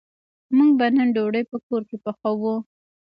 موږ به نن ډوډۍ په کور کی پخوو